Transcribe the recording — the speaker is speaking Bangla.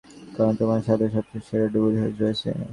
কারণ তোমার সাথে সবচেয়ে সেরা ডুবুরি রয়েছে।